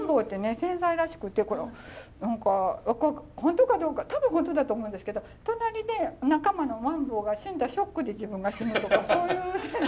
繊細らしくて何か本当かどうか多分本当だと思うんですけど隣で仲間のマンボウが死んだショックで自分が死ぬとかそういう繊細。